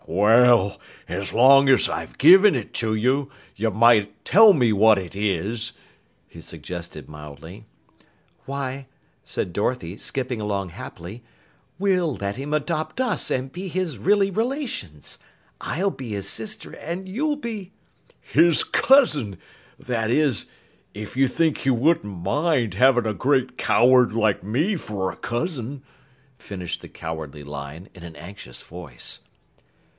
"Well, as long as I've given it to you, you might tell me what it is," he suggested mildly. "Why," said Dorothy, skipping along happily, "we'll let him adopt us and be his really relations. I'll be his sister, and you'll be " "His cousin that is, if you think he wouldn't mind having a great coward like me for a cousin," finished the Cowardly Lion in an anxious voice.